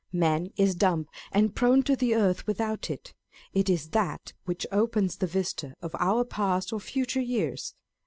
Man is dumb and prone to the earth without it. It is that which opens the vista of our past or f uture years.